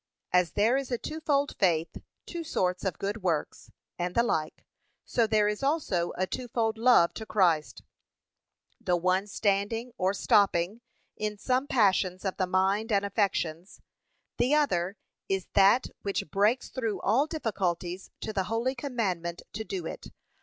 As there is a twofold faith, two sorts of good works, and the like, so there is also a twofold love to Christ; the one standing, or stopping, in some passions of the mind and affections; the other is that which breaks through all difficulties to the holy commandment to do it.